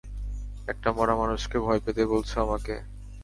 একটা মরা মানুষকে ভয় পেতে বলছো আমাকে।